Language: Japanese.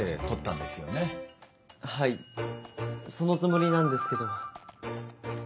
はいそのつもりなんですけど。